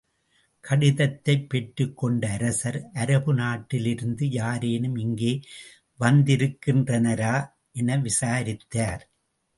கடிதத்தைப் பெற்றுக் கொண்ட அரசர், அரபு நாட்டிலிருந்து யாரேனும் இங்கே வந்திருக்கின்றனரா? என விசாரித்தார்.